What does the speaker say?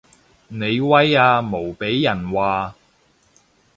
你威啊無被人話